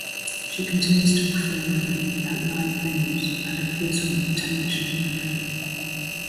She continues to perform regularly at live venues and appears on television and radio.